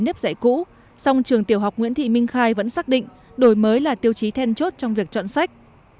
nếp dạy cũ song trường tiểu học nguyễn thị minh khai vẫn xác định đổi mới là tiêu chí then chốt trong việc chọn sách